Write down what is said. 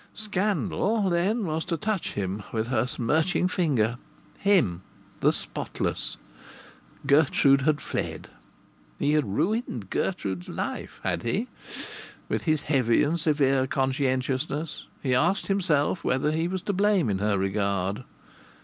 Scandal, then, was to touch him with her smirching finger, him the spotless! Gertrude had fled. He had ruined Gertrude's life! Had he? With his heavy and severe conscientiousness he asked himself whether he was to blame in her regard.